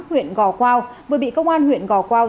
huyện gò quao vừa bị công an huyện gò quao